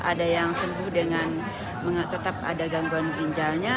ada yang sembuh dengan tetap ada gangguan ginjalnya